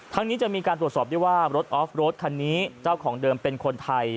นี้จะมีการตรวจสอบได้ว่ารถออฟโรดคันนี้เจ้าของเดิมเป็นคนไทย